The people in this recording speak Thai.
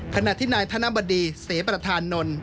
ขณะที่นายธนบดีเสปรฐานนล